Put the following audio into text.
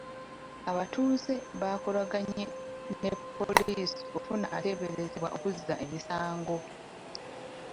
Abatuuze baakolaganye ne poliisi okufuna ateberezebbwa okuzza emisango.